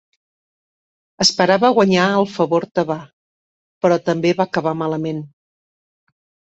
Esperava guanyar el favor tebà però també va acabar malament.